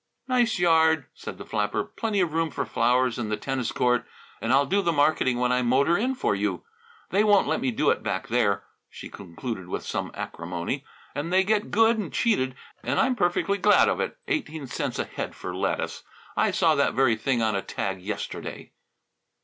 "Nice yard," said the flapper, "plenty of room for flowers and the tennis court, and I'll do the marketing when I motor in for you. They won't let me do it back there," she concluded with some acrimony; "and they get good and cheated and I'm perfectly glad of it. Eighteen cents a head for lettuce! I saw that very thing on a tag yesterday!"